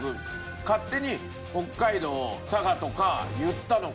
勝手に北海道佐賀とか言ったのか。